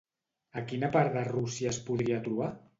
A quina part de Rússia es podria trobar?